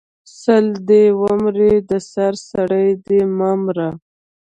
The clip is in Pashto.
سل دی ومره د سر سړی د مه مره